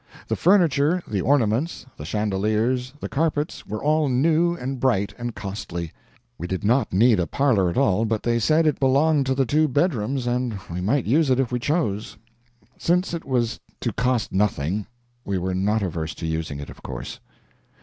The furniture, the ornaments, the chandeliers, the carpets, were all new and bright and costly. We did not need a parlor at all, but they said it belonged to the two bedrooms and we might use it if we chose. Since it was to cost nothing, we were not averse to using it, of course.